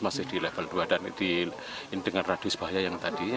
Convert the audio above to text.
masih di level dua dan dengan radius bahaya yang tadi